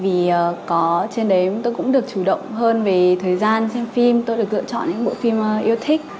vì có trên đấy tôi cũng được chủ động hơn về thời gian xem phim tôi được lựa chọn những bộ phim yêu thích